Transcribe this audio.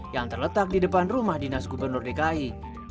yang terletak di depan rumah dinas gubernur dki